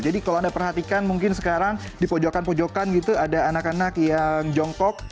jadi kalau anda perhatikan mungkin sekarang di pojokan pojokan gitu ada anak anak yang jongkok